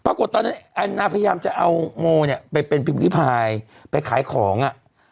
ปรากฏตอนฮะอันน่าพยายามจะเอาโม้เนี่ยเป็นแม่ข้าวออนไลน์ไปขายของอ่ะ